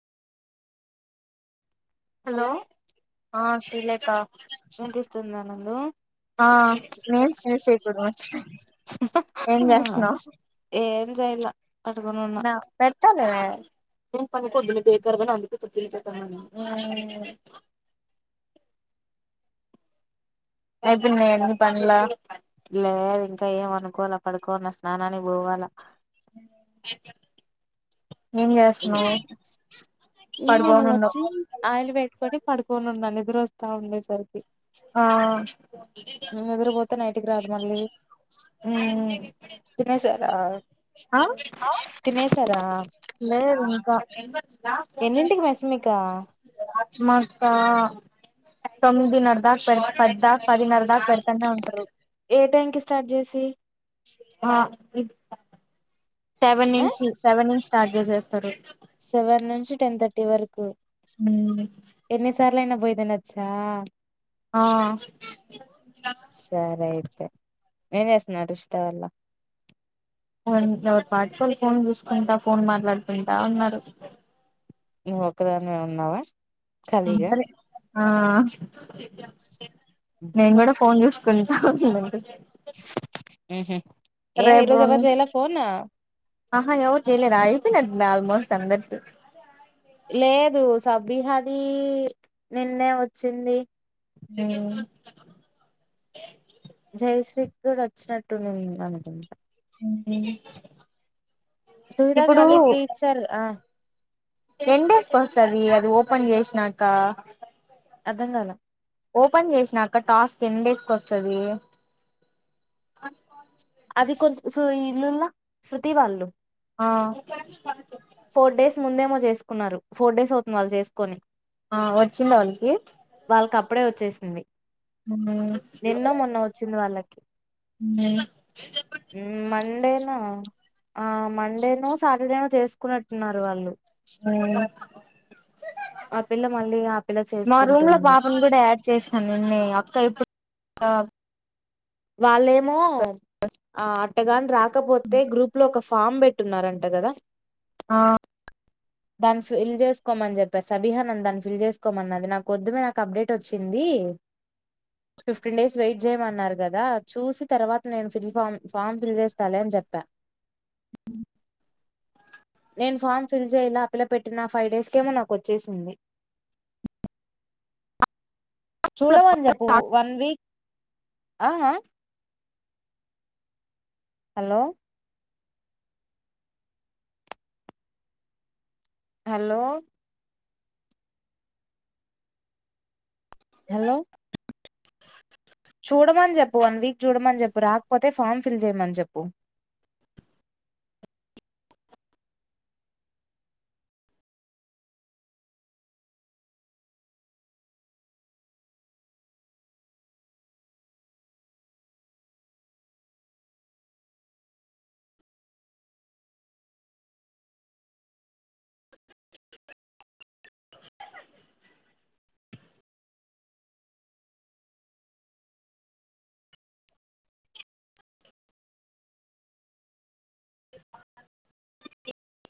hello ఆ తెలియక వినిపిస్తుందా నందు ఆ నేమ్స్ యూస్ చేయకూడదు మర్చిపోయిన ఏం చేస్తున్నావు ఏం చేయలా పడుకొని ఉన్నా పెడతాలే ఏం పని పొద్దున్న పోయి కాడ పోయిన అందుకే చూటి చుట్టమన్ను అయిపోయినయా అన్ని పనులు లేదు ఇంకా ఏం అనుకోలే పడుకోవన్న స్నానానికి పోవాల [inaudible] చేస్తున్నావ్ ఏం చేయలే పడుకోనుండవ్ వచ్చి ఆయిల్ పెట్టుకొని పడుకొని ఉన్న నిద్ర నిద్రొస్తా ఉండేసరికి ఆ హు నిద్రపోతే నైట్కి రాదు మళ్ళీ తినేసారా ఆ తినేసారా లేదు ఇంకా ఎన్నింటికి మెస్ మీకా ఆత్మాతా ఎ తొమి దినర్ దా పె పద్దా పదిన్నర దాకా పెడతనే ఉంటారు ఏ టైం కి స్టార్ట్ చేసి ఆ సెవెన్ ఆ ఇంచి సెవెన్ ఇంచ స్టార్జస్ చేస్తారు సెవెన్ నుంచి టెన్ థర్టీ వరకు మ్ లానా పోయిదనాచ్చా ఆ నేనే వస్తున్నా రుషతవలా వా ఎవరి పాటు వాళ్ళు ఫోన్ చూసుకుంటా ఫోన్ మాట్లాడుకుంటా ఉన్నారు నువ్వ ఒక్కదానివే ఉన్నావా ఆ ఖాళీగా సరిే ఆ నేను కూడా ఫోన్ చూసు కొంచెం వచ్చ ఉహు ఏం రే ఈరోజు ఎవరు బ్రోని చేయలే ఫోన్ ఆహా చేయలేదా అయ్యి ఆల్మోస్ట్ అందరి లేదు సబిహది నిన్నే వచ్చింది మ్ జయశ్రీకి కూడా వచ్చినట్టు మనకు మ్ సుహతగ మళ్లీ త్రి ఇచ్చారు ఆ ఎన్ డేస్కి వస్తుంది అది ఓపెన్ చేసినాక అర్థం కాల ఓపెన్ చేసినాక టాస్క్ ఎన్ డేస్ కి వస్తది అది కొంచ ఇల్లున్న శృతి వాళ్ళు ఆ ఫోర్ డేస్ ముందేమో చేసుకున్నారు ఫోర్ డేస్ అవుతుంది వాళ్ళు చేసుకొని ఆ వచ్చిందా వాళ్ళకి వాళ్ళకి అప్పుడే వచ్చేసింది హ్మ్ నిన్నో మొన్న వచ్చింది వాళ్ళకి హ్మ్ మ్మ్ మండేనా ఆ మండేనో సాటర్డేనో చేసు కున్నట్టున్నారు వాళ్ళు మ్ ఆ పిల్ల మళ్ళీ ఆ పిల్ల మా రూమ్ లో చేసుకుంటుంది పాపను కూడా యాడ్ చేసాను నేన్నే అక్క ఇప్పుడు ఆహ వాళ్ళేమో ఆ అట్టగాని రాక్ పోతే గ్రూప్ లో ఒక ఫామ్ పెట్టున్నారంట కదా ఆ దాన్ని ఫిల్ చేసుకోమని చెప్పా సబీహా నని దాన్ని ఫిల్ చేసుకోమన్నది నాకు కొద్దుమే నాకు అప్డేట్ వచ్చింది ఫిఫ్టీన్ డేస్ వెయిట్ చేయమన్నారు కదా చూసి తర్వాత నేను ఫిల్ ఫామ్ ఫామ్ ఫిల్ చేస్తాలే అని చెప్పా ఉమ్ నేను ఫామ్ ఫిల్ చేయ్యలా ఆ పిల్ల పెట్టిన ఫైవ్ డేస్కేమో నాకు వచ్చేసింది చూడమని చెప్పు వన్ వీక్ ఆ ఆ హలో హలో హలో చూడమని చెప్పు వన్ వీక్ చూడమని చెప్పు రాకపోతే ఫామ్ ఫిల్ చేయమని చెప్పు